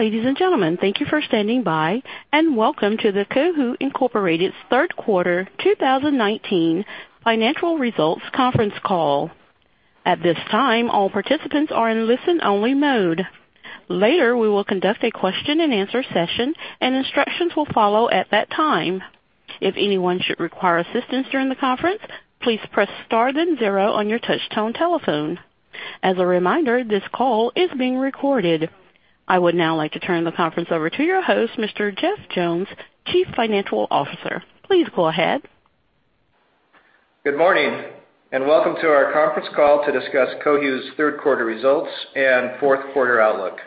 Ladies and gentlemen, thank you for standing by and welcome to the Cohu, Inc.'s third quarter 2019 financial results conference call. At this time, all participants are in listen-only mode. Later, we will conduct a question and answer session, and instructions will follow at that time. If anyone should require assistance during the conference, please press star then zero on your touchtone telephone. As a reminder, this call is being recorded. I would now like to turn the conference over to your host, Mr. Jeff Jones, Chief Financial Officer. Please go ahead. Good morning, and welcome to our conference call to discuss Cohu's third quarter results and fourth quarter outlook.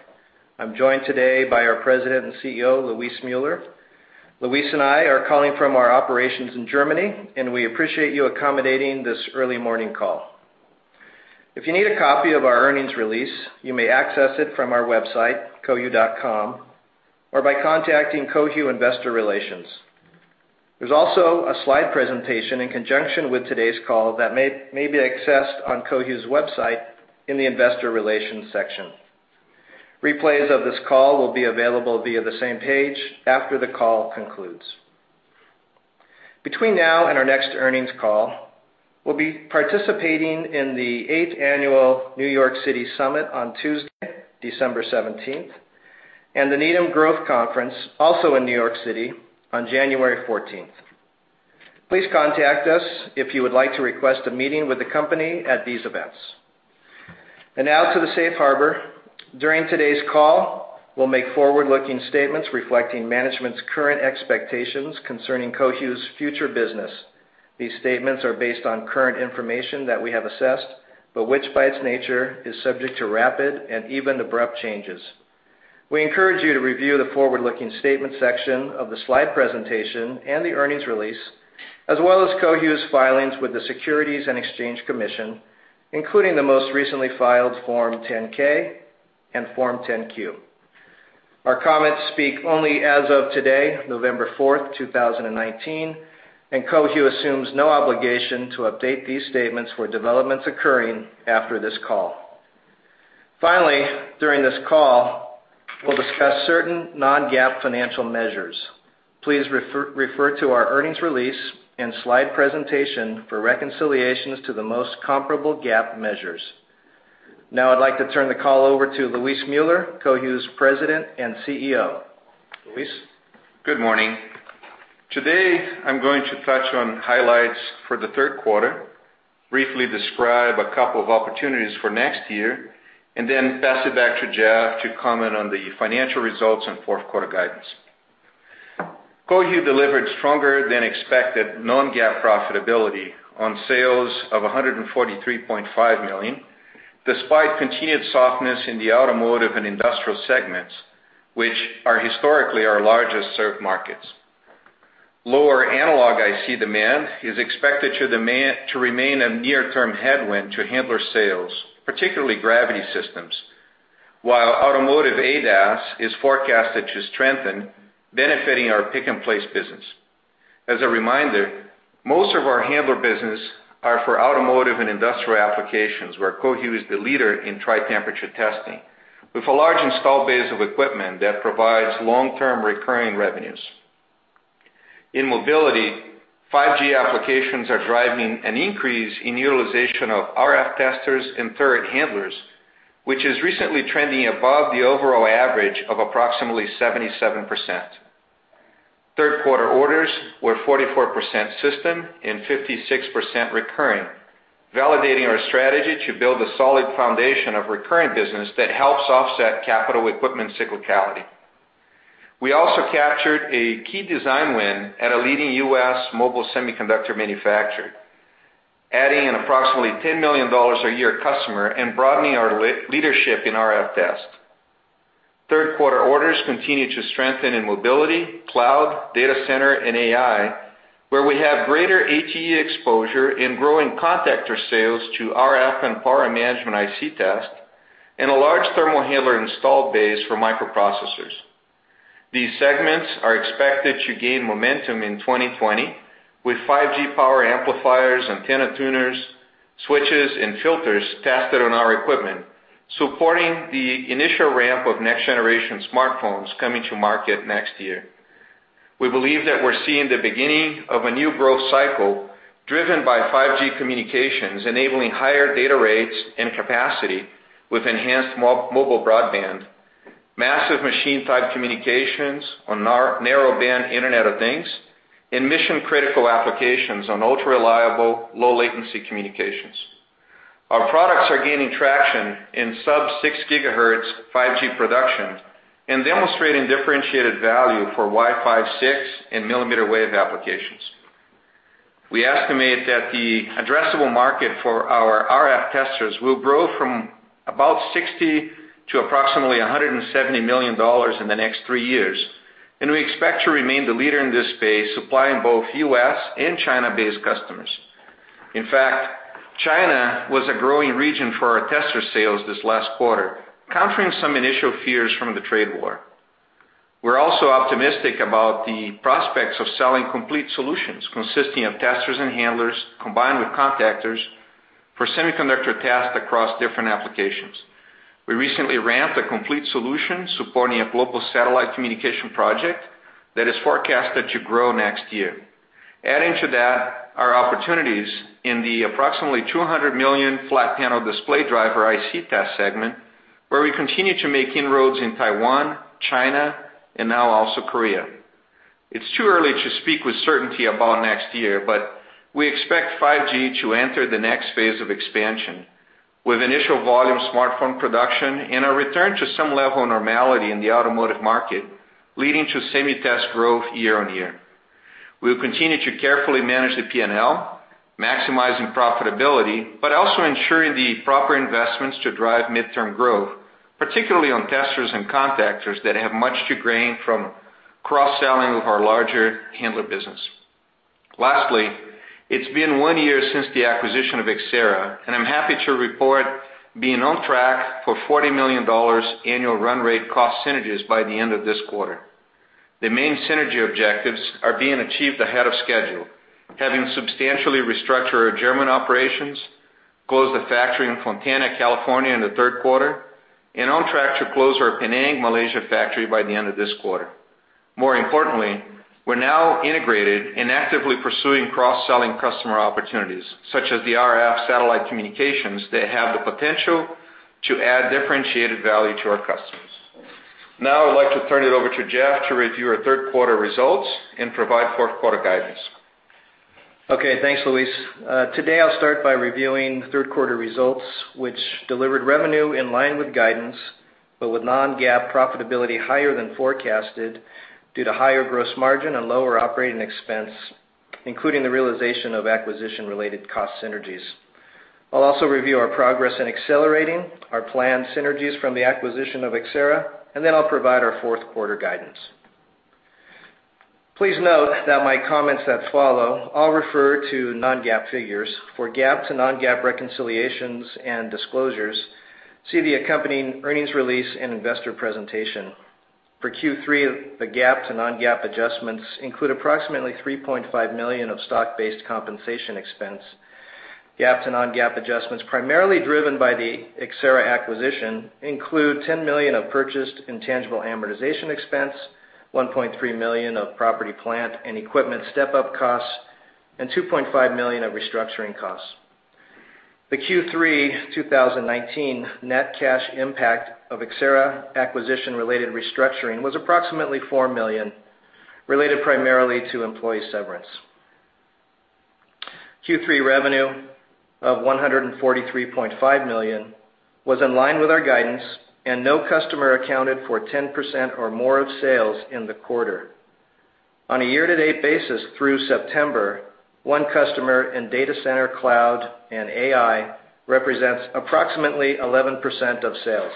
I'm joined today by our President and CEO, Luis Müller. Luis and I are calling from our operations in Germany, and we appreciate you accommodating this early morning call. If you need a copy of our earnings release, you may access it from our website, cohu.com, or by contacting Cohu Investor Relations. There's also a slide presentation in conjunction with today's call that may be accessed on Cohu's website in the investor relations section. Replays of this call will be available via the same page after the call concludes. Between now and our next earnings call, we'll be participating in the eighth annual NYC Investor Summit on Tuesday, December 17th, and the Needham Growth Conference, also in New York City, on January 14th. Please contact us if you would like to request a meeting with the company at these events. Now to the safe harbor. During today's call, we'll make forward-looking statements reflecting management's current expectations concerning Cohu's future business. These statements are based on current information that we have assessed, but which by its nature, is subject to rapid and even abrupt changes. We encourage you to review the forward-looking statement section of the slide presentation and the earnings release, as well as Cohu's filings with the Securities and Exchange Commission, including the most recently filed Form 10-K and Form 10-Q. Our comments speak only as of today, November 4th, 2019, and Cohu assumes no obligation to update these statements for developments occurring after this call. Finally, during this call, we'll discuss certain non-GAAP financial measures. Please refer to our earnings release and slide presentation for reconciliations to the most comparable GAAP measures. Now I'd like to turn the call over to Luis Müller, Cohu's President and CEO. Luis? Good morning. Today, I'm going to touch on highlights for the third quarter, briefly describe a couple of opportunities for next year, and then pass it back to Jeff to comment on the financial results and fourth quarter guidance. Cohu delivered stronger than expected non-GAAP profitability on sales of $143.5 million, despite continued softness in the automotive and industrial segments, which are historically our largest served markets. Lower analog IC demand is expected to remain a near-term headwind to handler sales, particularly gravity systems, while automotive ADAS is forecasted to strengthen, benefiting our pick-and-place business. As a reminder, most of our handler business are for automotive and industrial applications where Cohu is the leader in tri-temperature testing with a large installed base of equipment that provides long-term recurring revenues. In mobility, 5G applications are driving an increase in utilization of RF testers and turret handlers, which is recently trending above the overall average of approximately 77%. Third quarter orders were 44% system and 56% recurring, validating our strategy to build a solid foundation of recurring business that helps offset capital equipment cyclicality. We also captured a key design win at a leading U.S. mobile semiconductor manufacturer, adding an approximately $10 million a year customer and broadening our leadership in RF test. Third quarter orders continued to strengthen in mobility, cloud, data center, and AI, where we have greater ATE exposure in growing contactor sales to RF and power management IC test and a large thermal handler installed base for microprocessors. These segments are expected to gain momentum in 2020 with 5G power amplifiers, antenna tuners, switches, and filters tested on our equipment, supporting the initial ramp of next generation smartphones coming to market next year. We believe that we're seeing the beginning of a new growth cycle driven by 5G communications enabling higher data rates and capacity with enhanced mobile broadband, massive machine-type communications on narrow band Internet of Things, and mission-critical applications on ultra-reliable, low-latency communications. Our products are gaining traction in sub-6 GHz 5G production and demonstrating differentiated value for Wi-Fi 6 and millimeter wave applications. We estimate that the addressable market for our RF testers will grow from about $60 to approximately $170 million in the next three years, and we expect to remain the leader in this space, supplying both U.S. and China-based customers. In fact, China was a growing region for our tester sales this last quarter, countering some initial fears from the trade war. We're also optimistic about the prospects of selling complete solutions consisting of testers and handlers, combined with contactors for semiconductor test across different applications. We recently ramped a complete solution supporting a global satellite communication project that is forecasted to grow next year. Adding to that, our opportunities in the approximately 200 million flat panel display driver IC test segment, where we continue to make inroads in Taiwan, China, and now also Korea. It's too early to speak with certainty about next year, but we expect 5G to enter the next phase of expansion with initial volume smartphone production and a return to some level of normality in the automotive market, leading to semi test growth year-over-year. We'll continue to carefully manage the P&L, maximizing profitability, but also ensuring the proper investments to drive midterm growth, particularly on testers and contactors that have much to gain from cross-selling with our larger handler business. Lastly, it's been one year since the acquisition of Xcerra, and I'm happy to report being on track for $40 million annual run rate cost synergies by the end of this quarter. The main synergy objectives are being achieved ahead of schedule. Having substantially restructured our German operations, closed the factory in Fontana, California in the third quarter, and on track to close our Penang, Malaysia factory by the end of this quarter. More importantly, we're now integrated and actively pursuing cross-selling customer opportunities such as the RF satellite communications that have the potential to add differentiated value to our customers. Now I'd like to turn it over to Jeff to review our third quarter results and provide fourth quarter guidance. Okay. Thanks, Luis. Today I'll start by reviewing third quarter results, which delivered revenue in line with guidance, but with non-GAAP profitability higher than forecasted due to higher gross margin and lower operating expense, including the realization of acquisition-related cost synergies. I'll also review our progress in accelerating our planned synergies from the acquisition of Xcerra, and then I'll provide our fourth quarter guidance. Please note that my comments that follow all refer to non-GAAP figures. For GAAP to non-GAAP reconciliations and disclosures, see the accompanying earnings release and investor presentation. For Q3, the GAAP to non-GAAP adjustments include approximately $3.5 million of stock-based compensation expense. GAAP to non-GAAP adjustments primarily driven by the Xcerra acquisition include $10 million of purchased intangible amortization expense, $1.3 million of property, plant, and equipment step-up costs, and $2.5 million of restructuring costs. The Q3 2019 net cash impact of Xcerra acquisition-related restructuring was approximately $4 million, related primarily to employee severance. Q3 revenue of $143.5 million was in line with our guidance, and no customer accounted for 10% or more of sales in the quarter. On a year-to-date basis through September, one customer in data center cloud and AI represents approximately 11% of sales.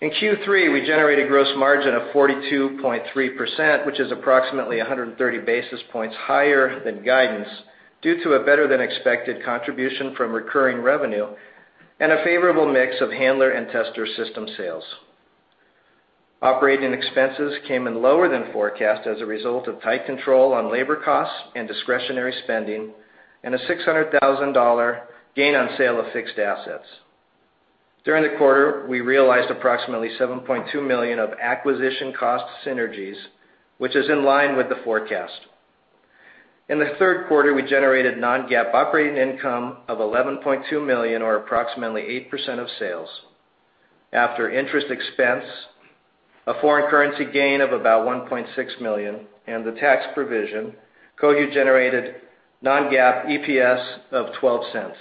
In Q3, we generated gross margin of 42.3%, which is approximately 130 basis points higher than guidance due to a better-than-expected contribution from recurring revenue and a favorable mix of handler and tester system sales. Operating expenses came in lower than forecast as a result of tight control on labor costs and discretionary spending, and a $600,000 gain on sale of fixed assets. During the quarter, we realized approximately $7.2 million of acquisition cost synergies, which is in line with the forecast. In the third quarter, we generated non-GAAP operating income of $11.2 million, or approximately 8% of sales. After interest expense, a foreign currency gain of about $1.6 million, and the tax provision, Cohu generated non-GAAP EPS of $0.12.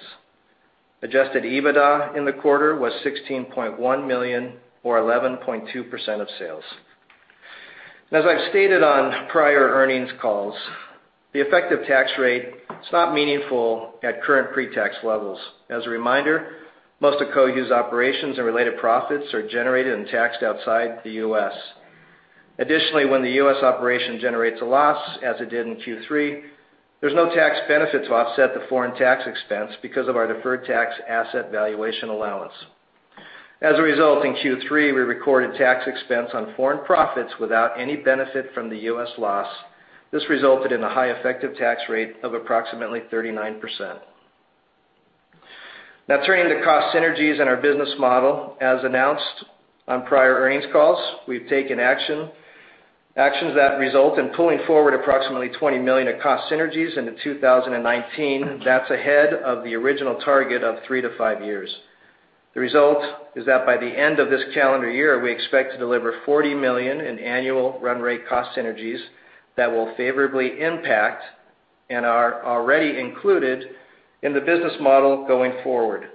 Adjusted EBITDA in the quarter was $16.1 million, or 11.2% of sales. As I've stated on prior earnings calls, the effective tax rate is not meaningful at current pre-tax levels. As a reminder, most of Cohu's operations and related profits are generated and taxed outside the U.S. Additionally, when the U.S. operation generates a loss, as it did in Q3, there's no tax benefit to offset the foreign tax expense because of our deferred tax asset valuation allowance. As a result, in Q3, we recorded tax expense on foreign profits without any benefit from the U.S. loss. This resulted in a high effective tax rate of approximately 39%. Turning to cost synergies and our business model. As announced on prior earnings calls, we've taken actions that result in pulling forward approximately $20 million of cost synergies into 2019. That's ahead of the original target of three to five years. The result is that by the end of this calendar year, we expect to deliver $40 million in annual run rate cost synergies that will favorably impact and are already included in the business model going forward.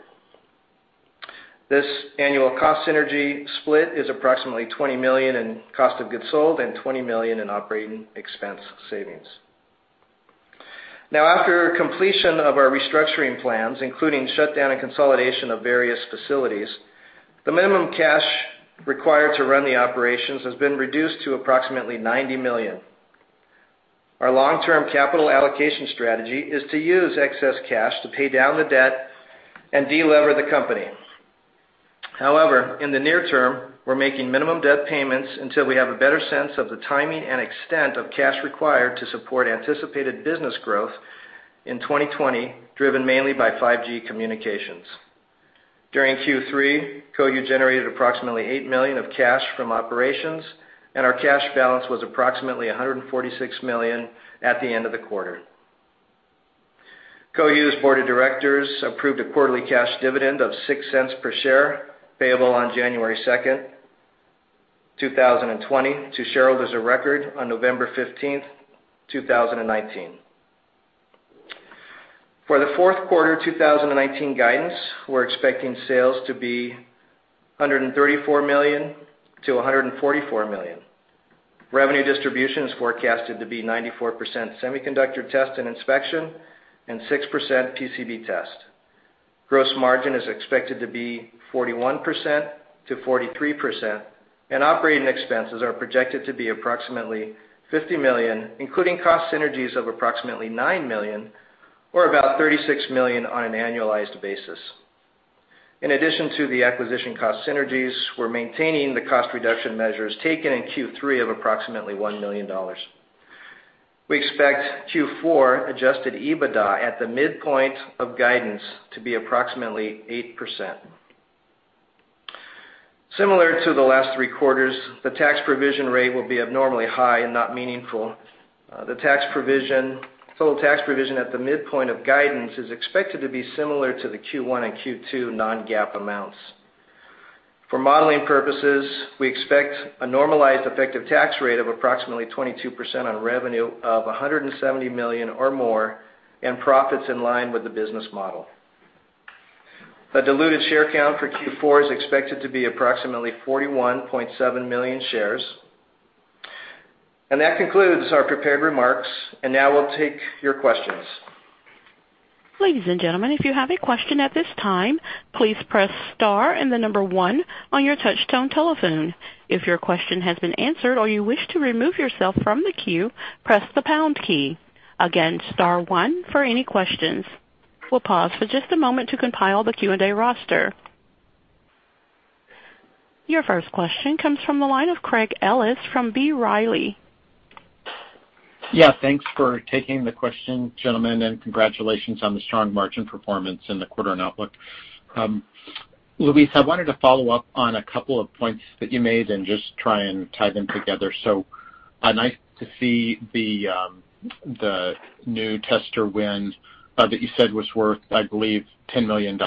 This annual cost synergy split is approximately $20 million in cost of goods sold and $20 million in operating expense savings. After completion of our restructuring plans, including shutdown and consolidation of various facilities, the minimum cash required to run the operations has been reduced to approximately $90 million. Our long-term capital allocation strategy is to use excess cash to pay down the debt and de-lever the company. In the near term, we're making minimum debt payments until we have a better sense of the timing and extent of cash required to support anticipated business growth in 2020, driven mainly by 5G communications. During Q3, Cohu generated approximately $8 million of cash from operations, and our cash balance was approximately $146 million at the end of the quarter. Cohu's board of directors approved a quarterly cash dividend of $0.06 per share, payable on January 2nd, 2020 to shareholders of record on November 15th, 2019. For the fourth quarter 2019 guidance, we're expecting sales to be $134 million-$144 million. Revenue distribution is forecasted to be 94% semiconductor test and inspection and 6% PCB test. Gross margin is expected to be 41%-43%, and operating expenses are projected to be approximately $50 million, including cost synergies of approximately $9 million or about $36 million on an annualized basis. In addition to the acquisition cost synergies, we're maintaining the cost reduction measures taken in Q3 of approximately $1 million. We expect Q4 adjusted EBITDA at the midpoint of guidance to be approximately 8%. Similar to the last three quarters, the tax provision rate will be abnormally high and not meaningful. The tax provision, total tax provision at the midpoint of guidance is expected to be similar to the Q1 and Q2 non-GAAP amounts. For modeling purposes, we expect a normalized effective tax rate of approximately 22% on revenue of $170 million or more, and profits in line with the business model. The diluted share count for Q4 is expected to be approximately 41.7 million shares. That concludes our prepared remarks. Now we'll take your questions. Ladies and gentlemen, if you have a question at this time, please press star and the number 1 on your touch tone telephone. If your question has been answered or you wish to remove yourself from the queue, press the pound key. Again, star 1 for any questions. We'll pause for just a moment to compile the Q&A roster. Your first question comes from the line of Craig Ellis from B. Riley. Yeah, thanks for taking the question, gentlemen, and congratulations on the strong margin performance in the quarter and outlook. Luis, I wanted to follow up on a couple of points that you made and just try and tie them together. Nice to see the new tester win that you said was worth, I believe, $10 million.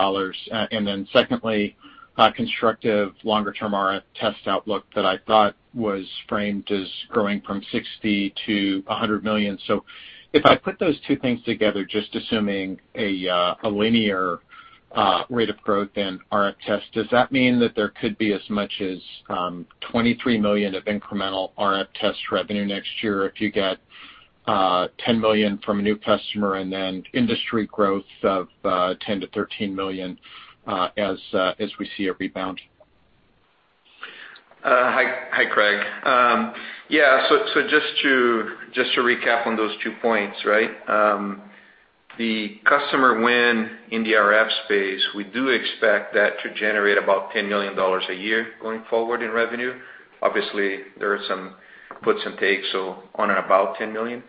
Secondly, constructive longer term RF test outlook that I thought was framed as growing from $60 million-$100 million. If I put those two things together, just assuming a linear rate of growth in RF test, does that mean that there could be as much as $23 million of incremental RF test revenue next year if you get $10 million from a new customer and then industry growth of $10 million-$13 million, as we see a rebound? Hi, Craig. Yeah. Just to recap on those two points, right? The customer win in the RF space, we do expect that to generate about $10 million a year going forward in revenue. Obviously, there are some puts and takes, so on or about $10 million.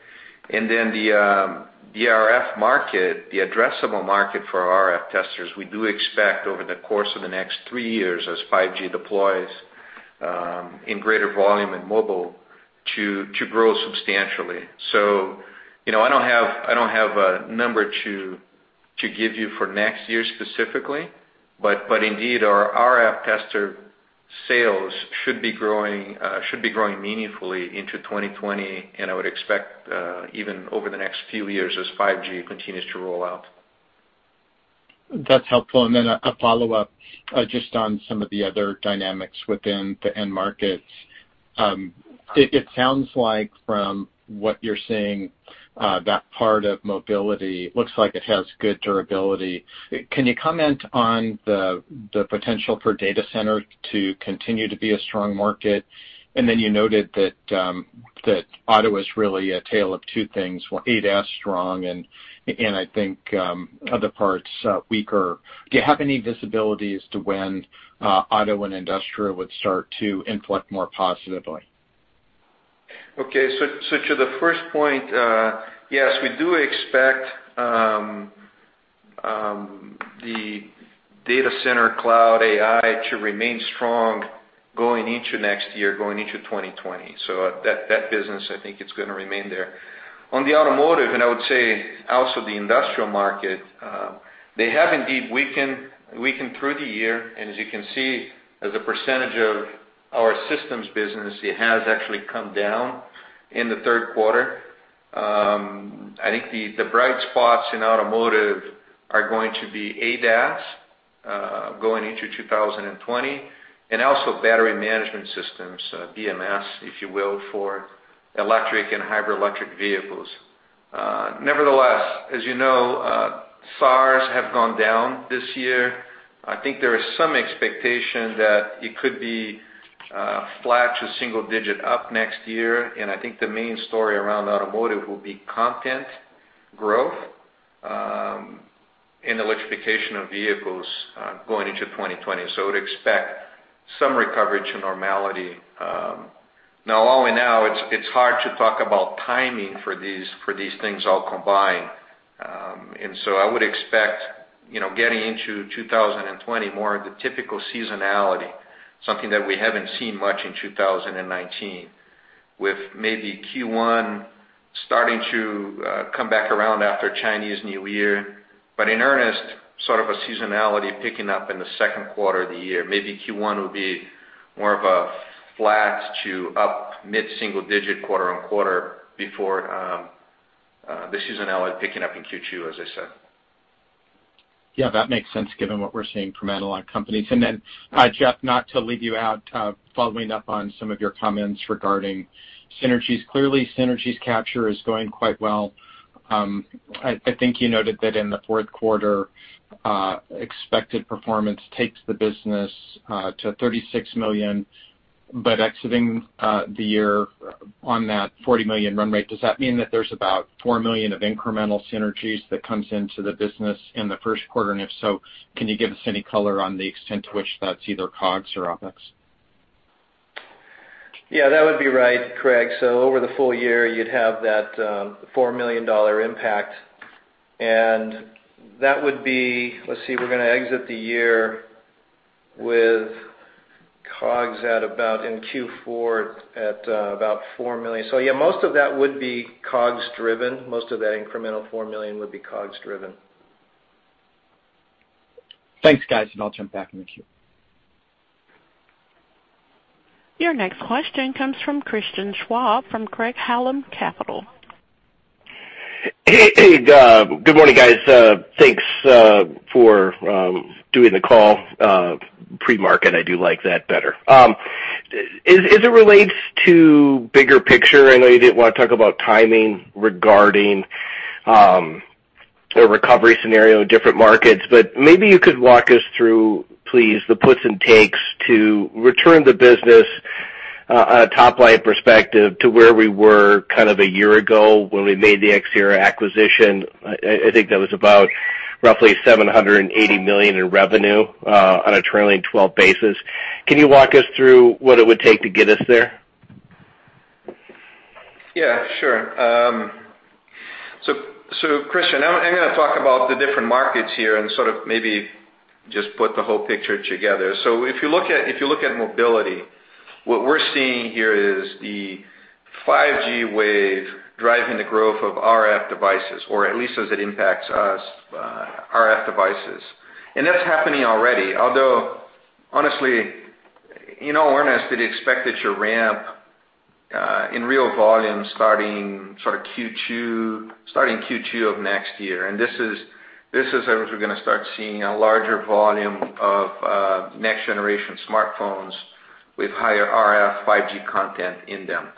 The RF market, the addressable market for RF testers, we do expect over the course of the next three years as 5G deploys, in greater volume in mobile, to grow substantially. I don't have a number to give you for next year specifically. Indeed, our RF tester sales should be growing meaningfully into 2020, and I would expect, even over the next few years as 5G continues to roll out. That's helpful, a follow-up, just on some of the other dynamics within the end markets. It sounds like from what you're saying, that part of mobility looks like it has good durability. Can you comment on the potential for data center to continue to be a strong market? You noted that auto is really a tale of two things, ADAS strong and I think other parts weaker. Do you have any visibility to when auto and industrial would start to inflect more positively? To the first point, yes, we do expect the data center cloud AI to remain strong going into next year, going into 2020. That business, I think it's going to remain there. On the automotive, and I would say also the industrial market, they have indeed weakened through the year, and as you can see, as a percentage of our systems business, it has actually come down in the third quarter. I think the bright spots in automotive are going to be ADAS, going into 2020, and also battery management systems, BMS, if you will, for electric and hybrid electric vehicles. Nevertheless, as you know, SAAR have gone down this year. I think there is some expectation that it could be flat to single-digit up next year. I think the main story around automotive will be content growth, and electrification of vehicles going into 2020. I would expect some recovery to normality. Now, only now it's hard to talk about timing for these things all combined. I would expect getting into 2020, more of the typical seasonality, something that we haven't seen much in 2019, with maybe Q1 starting to come back around after Chinese New Year. In earnest, sort of a seasonality picking up in the second quarter of the year. Maybe Q1 will be more of a flat to up mid-single-digit quarter-on-quarter before the seasonality picking up in Q2, as I said. Yeah, that makes sense given what we're seeing from analog companies. Jeff, not to leave you out, following up on some of your comments regarding synergies. Clearly, synergies capture is going quite well. I think you noted that in the fourth quarter, expected performance takes the business to $36 million, but exiting the year on that $40 million run rate, does that mean that there's about $4 million of incremental synergies that comes into the business in the first quarter? If so, can you give us any color on the extent to which that's either COGS or OpEx? Yeah, that would be right, Craig. Over the full year, you'd have that $4 million impact. That would be, let's see, we're going to exit the year with COGS at about, in Q4, at about $4 million. Yeah, most of that would be COGS driven. Most of that incremental $4 million would be COGS driven. Thanks, guys, and I'll jump back in the queue. Your next question comes from Christian Schwab from Craig-Hallum Capital. Hey. Good morning, guys. Thanks for doing the call pre-market, I do like that better. As it relates to bigger picture, I know you didn't want to talk about timing regarding a recovery scenario in different markets, but maybe you could walk us through, please, the puts and takes to return the business, a top-line perspective to where we were kind of a year ago when we made the Xcerra acquisition. I think that was about roughly $780 million in revenue on a trailing 12 basis. Can you walk us through what it would take to get us there? Yeah, sure. Christian, I'm going to talk about the different markets here and sort of maybe just put the whole picture together. If you look at mobility, what we're seeing here is the 5G wave driving the growth of RF devices, or at least as it impacts us, RF devices. That's happening already. Although, honestly, in all earnest it is expected to ramp in real volume starting Q2 of next year. This is as we're going to start seeing a larger volume of next generation smartphones with higher RF 5G content in them.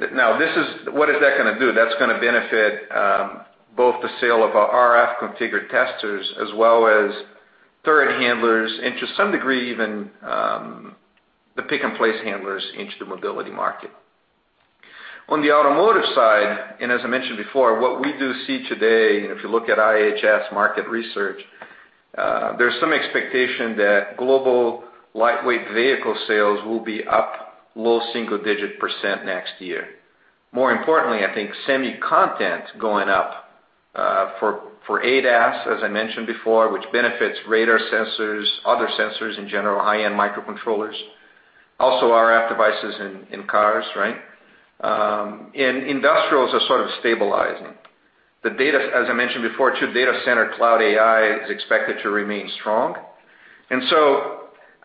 Now, what is that going to do? That's going to benefit both the sale of our RF-configured testers as well as turret handlers, and to some degree, even the pick and place handlers into the mobility market. On the automotive side, as I mentioned before, what we do see today, if you look at IHS Markit Research, there's some expectation that global lightweight vehicle sales will be up low single-digit % next year. More importantly, I think semi content going up for ADAS, as I mentioned before, which benefits radar sensors, other sensors in general, high-end microcontrollers, also RF devices in cars, right. Industrials are sort of stabilizing. As I mentioned before too, data center cloud AI is expected to remain strong.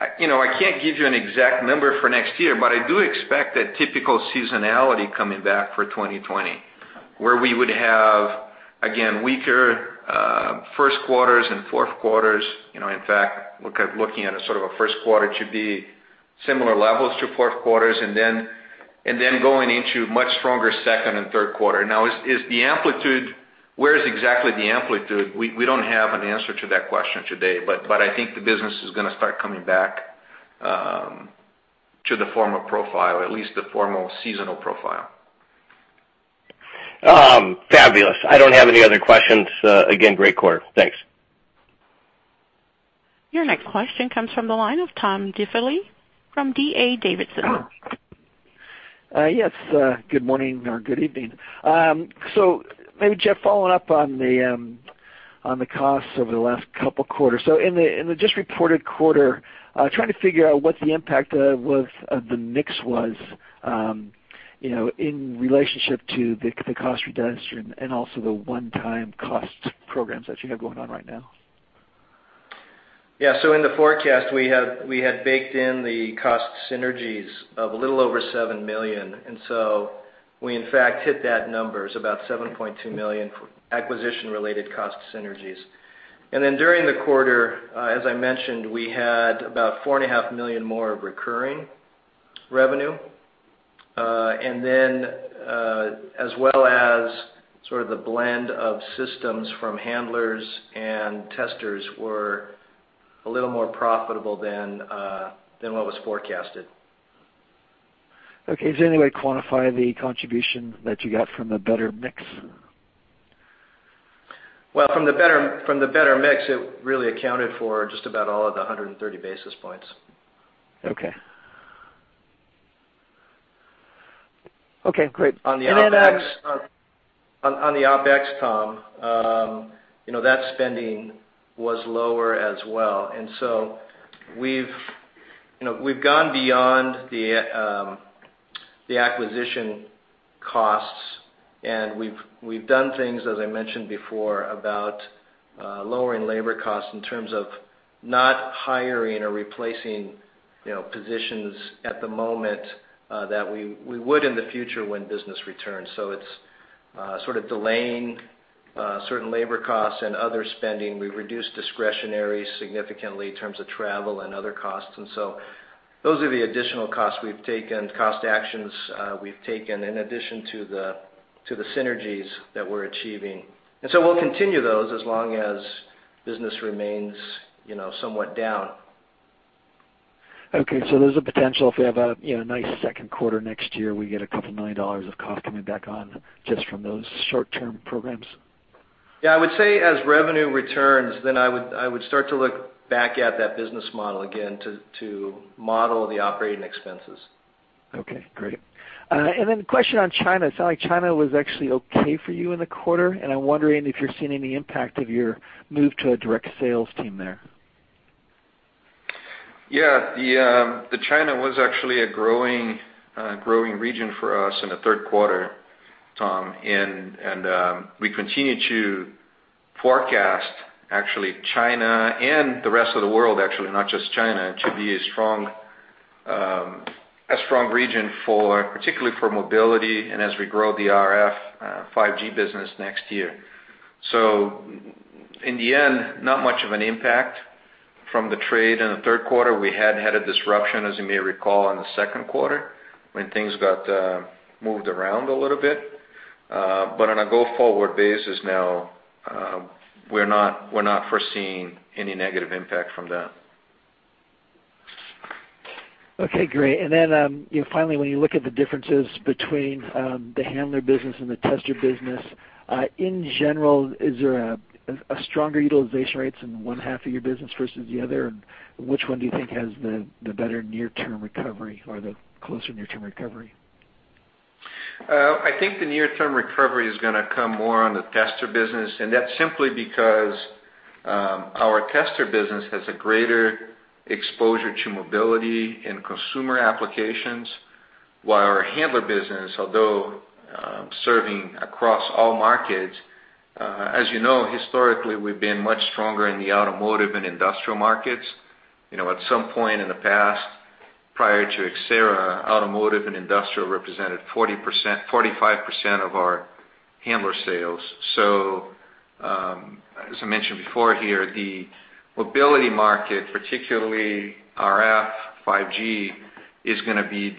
I can't give you an exact number for next year, but I do expect that typical seasonality coming back for 2020, where we would have, again, weaker first quarters and fourth quarters. In fact, looking at a sort of a first quarter to be similar levels to fourth quarters, going into much stronger second and third quarter. Where is exactly the amplitude? We don't have an answer to that question today. I think the business is going to start coming back to the former profile, at least the formal seasonal profile. Fabulous. I don't have any other questions. Again, great quarter. Thanks. Your next question comes from the line of Tom Diffley from D.A. Davidson. Yes. Good morning or good evening. Maybe, Jeff, following up on the costs over the last couple quarters. In the just reported quarter, trying to figure out what the impact of the mix was in relationship to the cost reduction and also the one-time cost programs that you have going on right now. Yeah. In the forecast, we had baked in the cost synergies of a little over $7 million. We in fact hit that number, it's about $7.2 million for acquisition-related cost synergies. During the quarter, as I mentioned, we had about $4.5 million more of recurring. Revenue, as well as sort of the blend of systems from handlers and testers were a little more profitable than what was forecasted. Okay. Is there any way to quantify the contribution that you got from the better mix? Well, from the better mix, it really accounted for just about all of the 130 basis points. Okay. Great. On the OpEx, Tom, that spending was lower as well. We've gone beyond the acquisition costs and we've done things, as I mentioned before, about lowering labor costs in terms of not hiring or replacing positions at the moment that we would in the future when business returns. It's sort of delaying certain labor costs and other spending. We've reduced discretionary significantly in terms of travel and other costs. Those are the additional cost actions we've taken in addition to the synergies that we're achieving. We'll continue those as long as business remains somewhat down. Okay, there's a potential if we have a nice second quarter next year, we get a couple million dollars of cost coming back on just from those short-term programs? Yeah, I would say as revenue returns, then I would start to look back at that business model again to model the operating expenses. Okay, great. A question on China. It sounded like China was actually okay for you in the quarter, and I'm wondering if you're seeing any impact of your move to a direct sales team there. China was actually a growing region for us in the third quarter, Tom, and we continue to forecast actually China and the rest of the world, actually, not just China, to be a strong region particularly for mobility and as we grow the RF 5G business next year. In the end, not much of an impact from the trade in the third quarter. We had had a disruption, as you may recall, in the second quarter when things got moved around a little bit. On a go-forward basis now, we're not foreseeing any negative impact from that. Okay, great. Finally, when you look at the differences between the handler business and the tester business, in general, is there a stronger utilization rates in one half of your business versus the other? Which one do you think has the better near-term recovery or the closer near-term recovery? I think the near-term recovery is going to come more on the tester business. That's simply because our tester business has a greater exposure to mobility and consumer applications, while our handler business, although serving across all markets, you know, historically, we've been much stronger in the automotive and industrial markets. At some point in the past, prior to Xcerra, automotive and industrial represented 45% of our handler sales. As I mentioned before here, the mobility market, particularly RF 5G, is going to be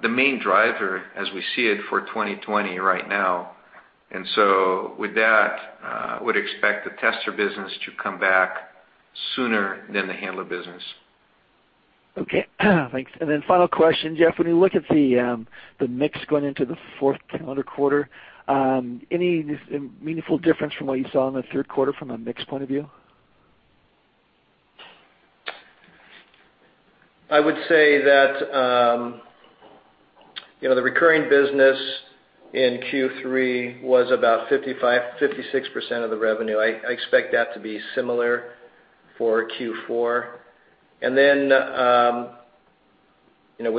the main driver as we see it for 2020 right now. With that, we would expect the tester business to come back sooner than the handler business. Okay, thanks. Final question, Jeff, when you look at the mix going into the fourth calendar quarter, any meaningful difference from what you saw in the third quarter from a mix point of view? I would say that the recurring business in Q3 was about 56% of the revenue. I expect that to be similar for Q4. With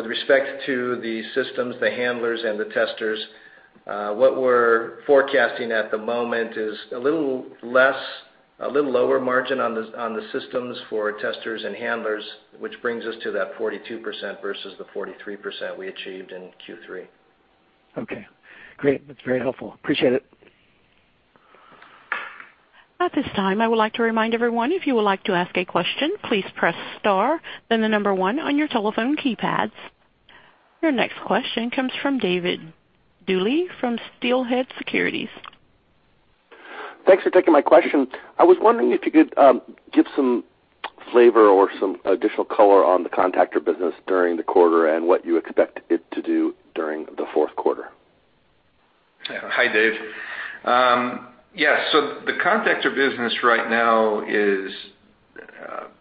respect to the systems, the handlers and the testers, what we're forecasting at the moment is a little lower margin on the systems for testers and handlers, which brings us to that 42% versus the 43% we achieved in Q3. Okay, great. That's very helpful. Appreciate it. At this time, I would like to remind everyone, if you would like to ask a question, please press star, then the number one on your telephone keypads. Your next question comes from David Duley from Steelhead Securities. Thanks for taking my question. I was wondering if you could give some flavor or some additional color on the contactor business during the quarter and what you expect it to do during the fourth quarter. Hi, Dave. Yeah. The contactor business right now is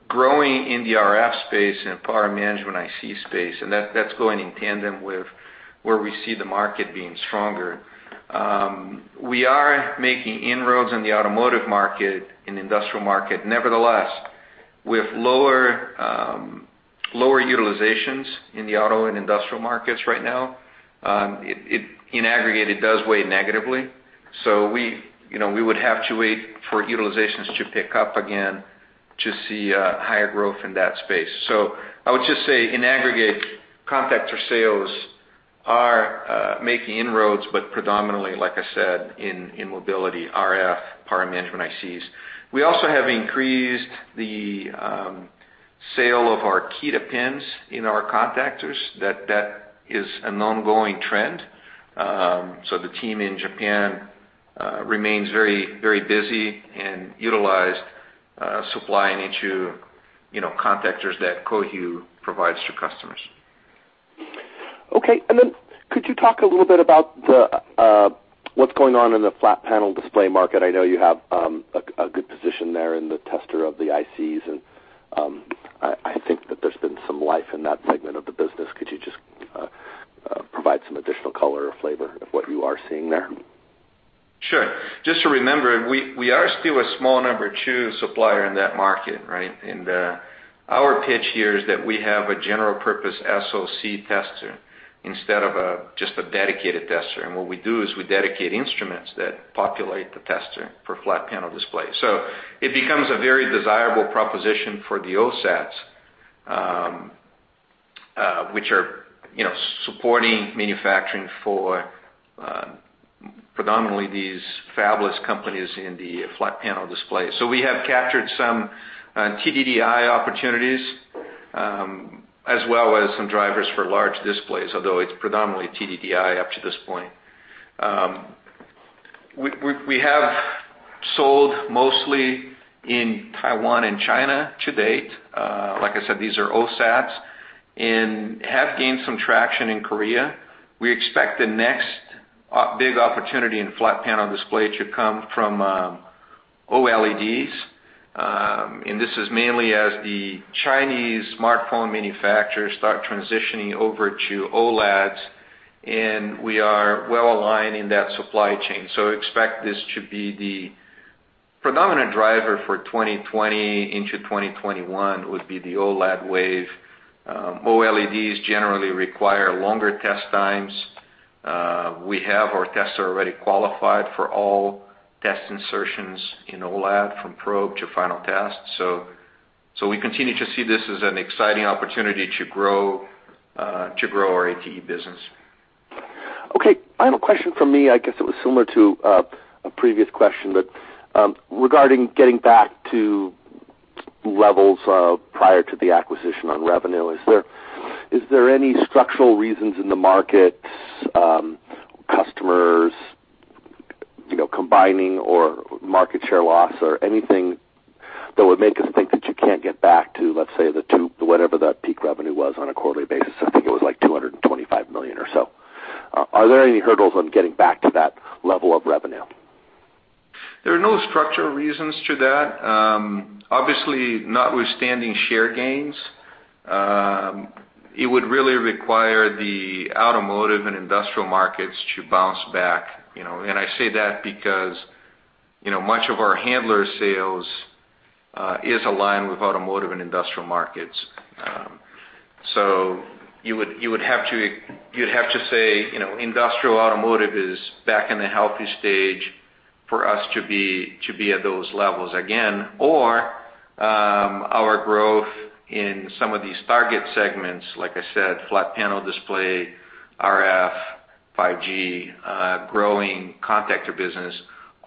growing in the RF space and power management IC space, and that's going in tandem with where we see the market being stronger. We are making inroads in the automotive market and industrial market. Nevertheless, with lower utilizations in the auto and industrial markets right now, in aggregate, it does weigh negatively. We would have to wait for utilizations to pick up again to see higher growth in that space. I would just say, in aggregate, contactor sales are making inroads, but predominantly, like I said, in mobility, RF, power management ICs. We also have increased the sale of our KITA pins in our contactors. That is an ongoing trend. The team in Japan remains very busy and utilized supplying into contactors that Cohu provides to customers. Okay. Could you talk a little bit about what's going on in the flat panel display market? I know you have a good position there in the tester of the ICs, and I think that there's been some life in that segment of the business. Could you just provide some additional color or flavor of what you are seeing there? Sure. Just to remember, we are still a small number two supplier in that market. Our pitch here is that we have a general purpose SoC tester instead of just a dedicated tester. What we do is we dedicate instruments that populate the tester for flat panel displays. It becomes a very desirable proposition for the OSATs, which are supporting manufacturing for predominantly these fabless companies in the flat panel display. We have captured some TDDI opportunities, as well as some drivers for large displays, although it's predominantly TDDI up to this point. We have sold mostly in Taiwan and China to date. Like I said, these are OSATs, and have gained some traction in Korea. We expect the next big opportunity in flat panel display to come from OLEDs. This is mainly as the Chinese smartphone manufacturers start transitioning over to OLEDs, and we are well-aligned in that supply chain. Expect this to be the predominant driver for 2020 into 2021, would be the OLED wave. OLEDs generally require longer test times. We have our tester already qualified for all test insertions in OLED, from probe to final test. We continue to see this as an exciting opportunity to grow our ATE business. Okay. Final question from me, I guess it was similar to a previous question, but regarding getting back to levels of prior to the acquisition on revenue, is there any structural reasons in the market, customers combining or market share loss or anything that would make us think that you can't get back to, let's say, the two, whatever that peak revenue was on a quarterly basis? I think it was like $225 million or so. Are there any hurdles on getting back to that level of revenue? There are no structural reasons to that. Obviously, notwithstanding share gains, it would really require the automotive and industrial markets to bounce back. I say that because much of our handler sales is aligned with automotive and industrial markets. You'd have to say industrial automotive is back in a healthy stage for us to be at those levels again. Our growth in some of these target segments, like I said, flat panel display, RF, 5G, growing contactor business,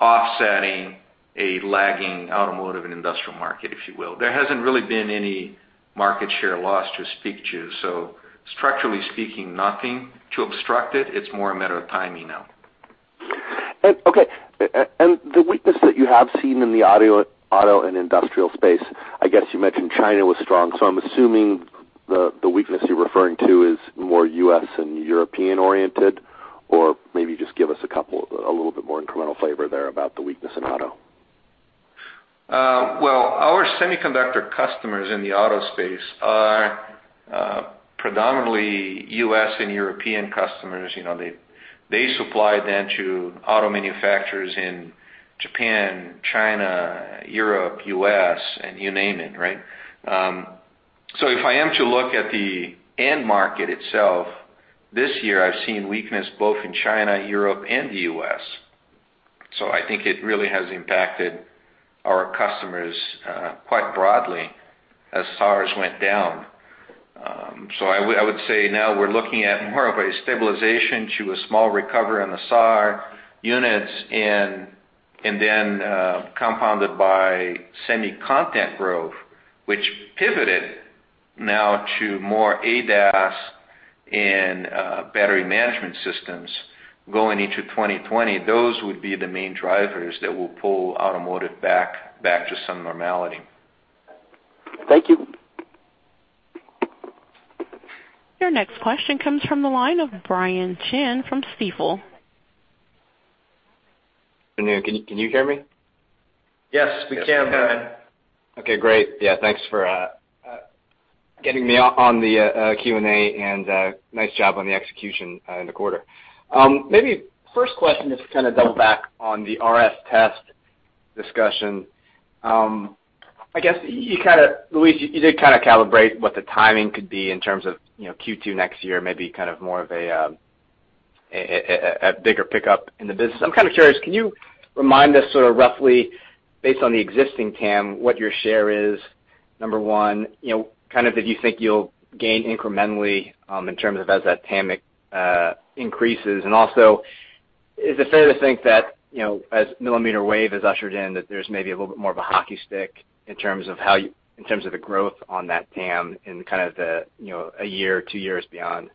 offsetting a lagging automotive and industrial market, if you will. There hasn't really been any market share loss to speak to. Structurally speaking, nothing to obstruct it. It's more a matter of timing now. Okay. The weakness that you have seen in the auto and industrial space, I guess you mentioned China was strong, so I'm assuming the weakness you're referring to is more U.S. and European-oriented? Maybe just give us a little bit more incremental flavor there about the weakness in auto. Our semiconductor customers in the auto space are predominantly U.S. and European customers. They supply then to auto manufacturers in Japan, China, Europe, U.S., and you name it. If I am to look at the end market itself, this year, I've seen weakness both in China, Europe, and the U.S. I think it really has impacted our customers quite broadly as SAAR went down. I would say now we're looking at more of a stabilization to a small recovery on the SAAR units and then compounded by semi content growth, which pivoted now to more ADAS and battery management systems going into 2020. Those would be the main drivers that will pull automotive back to some normality. Thank you. Your next question comes from the line of Brian Chin from Stifel. Hello, can you hear me? Yes, we can, Brian. Okay, great. Yeah, thanks for getting me on the Q&A, nice job on the execution in the quarter. Maybe first question, just to kind of double back on the RF test discussion. I guess, Luis, you did kind of calibrate what the timing could be in terms of Q2 next year, maybe kind of more of a bigger pickup in the business. I'm kind of curious, can you remind us sort of roughly based on the existing TAM, what your share is, number one, if you think you'll gain incrementally in terms of as that TAM increases? Also, is it fair to think that, as millimeter wave is ushered in, that there's maybe a little bit more of a hockey stick in terms of the growth on that TAM in kind of a year or two years beyond?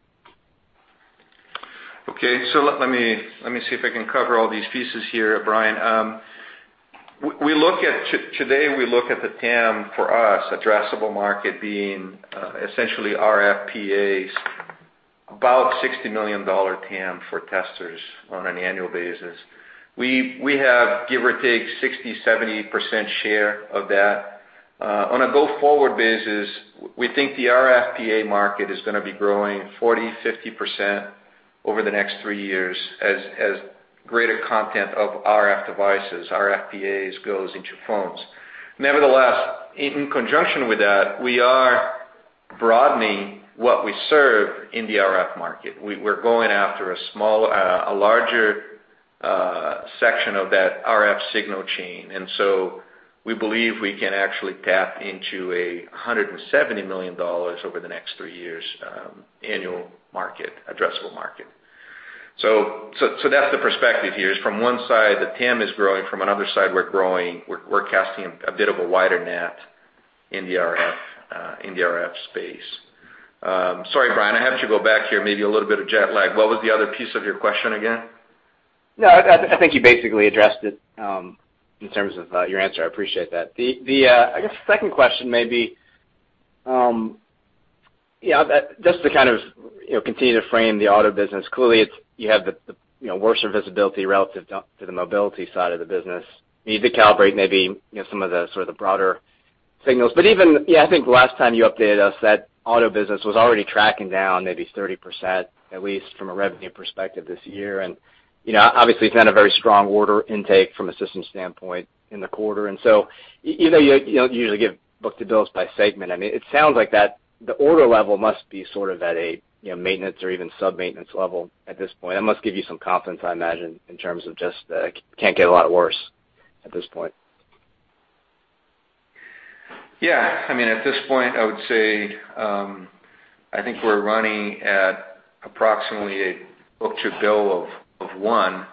Okay. Let me see if I can cover all these pieces here, Brian. Today, we look at the TAM for us, addressable market being essentially RFPAs, about $60 million TAM for testers on an annual basis. We have, give or take, 60%-70% share of that. On a go-forward basis, we think the RFPA market is going to be growing 40%-50% over the next three years as greater content of RF devices, RFPAs goes into phones. Nevertheless, in conjunction with that, we are broadening what we serve in the RF market. We're going after a larger section of that RF signal chain. We believe we can actually tap into a $170 million over the next three years annual addressable market. That's the perspective here. Is from one side, the TAM is growing, from another side, we're growing, we're casting a bit of a wider net in the RF space. Sorry, Brian, I have to go back here, maybe a little bit of jet lag. What was the other piece of your question again? No, I think you basically addressed it, in terms of your answer. I appreciate that. I guess the second question may be, just to kind of continue to frame the auto business. Clearly, you have the worse visibility relative to the mobility side of the business. You need to calibrate maybe some of the sort of broader signals. But even, I think last time you updated us, that auto business was already tracking down maybe 30%, at least from a revenue perspective this year. Obviously, it's been a very strong order intake from a systems standpoint in the quarter. Even though you don't usually give book to bills by segment, it sounds like the order level must be sort of at a maintenance or even sub-maintenance level at this point. That must give you some confidence, I imagine, in terms of just can't get a lot worse at this point. Yeah. At this point, I would say, I think we're running at approximately a book to bill of one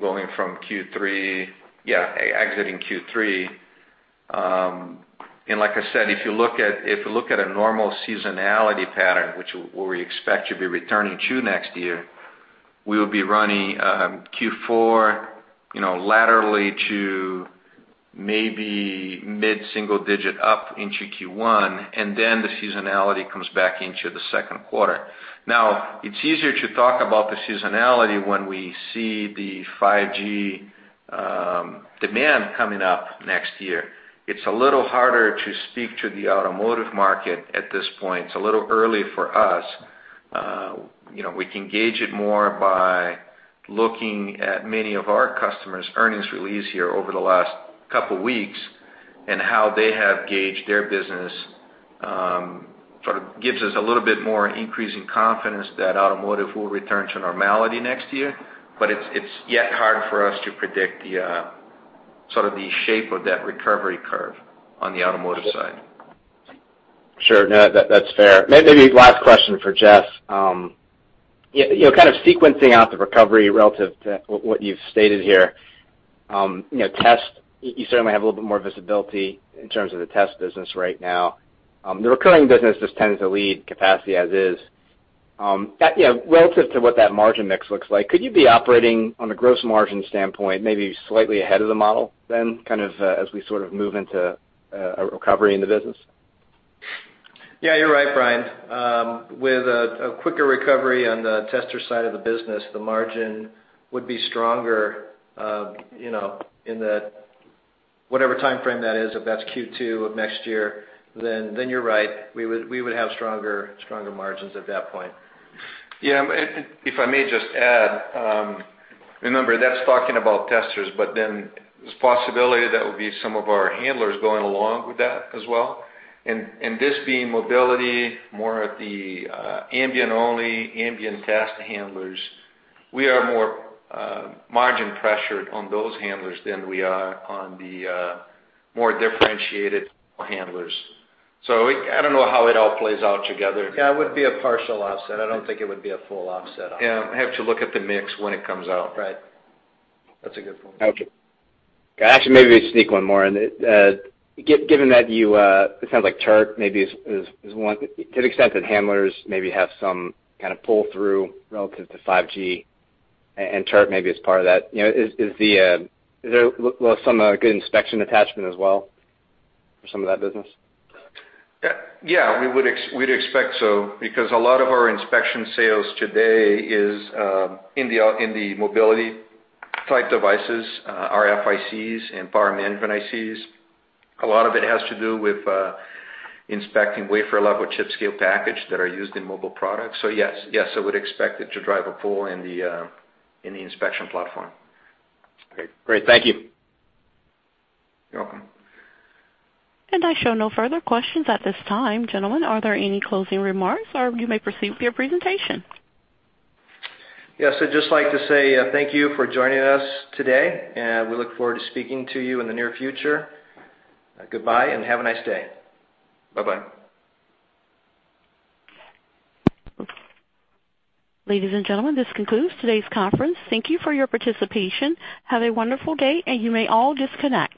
going from exiting Q3. Like I said, if you look at a normal seasonality pattern, which we expect to be returning to next year, we'll be running Q4 laterally to maybe mid-single digit up into Q1, and then the seasonality comes back into the second quarter. It's easier to talk about the seasonality when we see the 5G demand coming up next year. It's a little harder to speak to the automotive market at this point. It's a little early for us. We can gauge it more by looking at many of our customers' earnings release here over the last couple of weeks and how they have gauged their business. Sort of gives us a little bit more increasing confidence that automotive will return to normality next year. It's yet hard for us to predict the shape of that recovery curve on the automotive side. Sure. No, that's fair. Maybe last question for Jeff. Kind of sequencing out the recovery relative to what you've stated here. Test, you certainly have a little bit more visibility in terms of the test business right now. The recurring business just tends to lead capacity as is. Relative to what that margin mix looks like, could you be operating on a gross margin standpoint, maybe slightly ahead of the model then, kind of as we sort of move into a recovery in the business? Yeah, you're right, Brian. With a quicker recovery on the tester side of the business, the margin would be stronger, in that whatever timeframe that is, if that's Q2 of next year, then you're right, we would have stronger margins at that point. Yeah. If I may just add, remember, that's talking about testers, there's a possibility that would be some of our handlers going along with that as well. This being mobility, more of the ambient-only, ambient test handlers. We are more margin pressured on those handlers than we are on the more differentiated handlers. I don't know how it all plays out together. Yeah, it would be a partial offset. I don't think it would be a full offset. Yeah, have to look at the mix when it comes out. Right. That's a good point. Okay. Actually, maybe sneak one more in. Given that you, it sounds like turret maybe is one, to the extent that handlers maybe have some kind of pull-through relative to 5G, and turret maybe is part of that. Is there some good inspection attachment as well for some of that business? Yeah, we'd expect so, because a lot of our inspection sales today is in the mobility-type devices, RFICs and power management ICs. A lot of it has to do with inspecting Wafer-level chip-scale package that are used in mobile products. Yes, I would expect it to drive a pull in the inspection platform. Great. Thank you. You're welcome. I show no further questions at this time. Gentlemen, are there any closing remarks, or you may proceed with your presentation? Yes, I'd just like to say thank you for joining us today, and we look forward to speaking to you in the near future. Goodbye, and have a nice day. Bye-bye. Ladies and gentlemen, this concludes today's conference. Thank you for your participation. Have a wonderful day, and you may all disconnect.